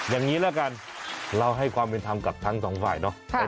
อย่างนี้ละกันเราให้ความเป็นธรรมกับทั้งสองฝ่ายเนอะ